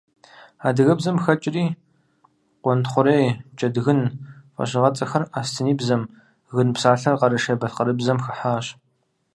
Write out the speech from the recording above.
Адыгэбзэм хэкӀри «къуэнтхъурей», «джэдгын» фӀэщыгъэцӀэхэр асэтиныбзэм, «гын» псалъэр къэрэшей-балъкъэрыбзэм хыхьащ.